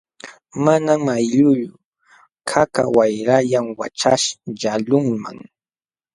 Mana aylluyuq kaqkaq wayrallam wakchaśhyaqlunman.